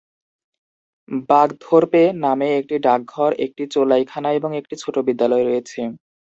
বাগথোরপে একটি গ্রাম ডাকঘর, একটি চোলাইখানা এবং একটি ছোট বিদ্যালয় রয়েছে।